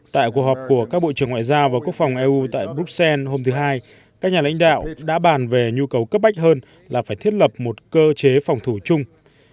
tại cuộc họp của các bộ trưởng ngoại giao và quốc phòng eu tại bruxelles hôm thứ hai các nhà lãnh đạo đã bàn về nhu cầu cấp bách hơn là phải thiết lập một cơ chế phòng thủ chung